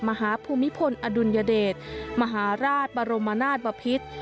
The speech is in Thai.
ภูมิพลอดุลยเดชมหาราชบรมนาศบพิษ